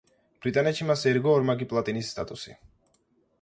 ბრიტანეთში მას ერგო ორმაგი პლატინის სტატუსი.